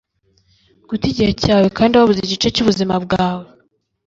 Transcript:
guta igihe cyawe kandi wabuze igice cyubuzima bwawe